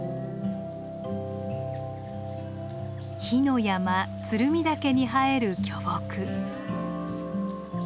火の山鶴見岳に生える巨木。